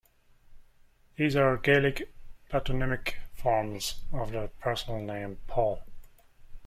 These are Gaelic patronymic forms of the personal name "Paul".